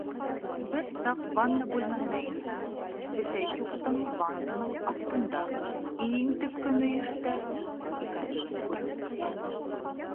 Бер саҡ ванна бүлмәһенә инһәм, Бесәйчуктың ваннаның аҫтында, иң төпкө мөйөштә, икәнлеген күрәм.